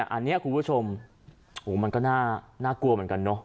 อันนี้คุณผู้ชมโหมันก็น่ากลัวเหมือนกันเนอะ